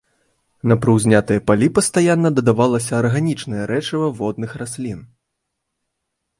На прыўзнятыя палі пастаянна дадавалася арганічнае рэчыва водных раслін.